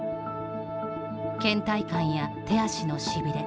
けん怠感や手足のしびれ